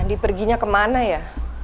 andi perginya kemana ya